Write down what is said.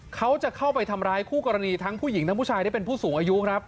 เขาจะเข้าไปทำร้ายคู่กรณีทั้งผู้หญิงทั้งผู้ชายที่เป็นผู้สูงอายุครับ